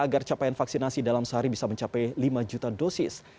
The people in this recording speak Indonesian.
agar capaian vaksinasi dalam sehari bisa mencapai lima juta dosis